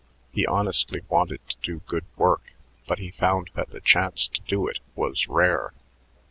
He honestly wanted to do good work, but he found that the chance to do it was rare.